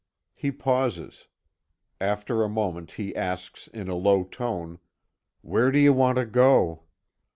He pauses. After a moment, he asks in a low tone: "Where do you want to go?"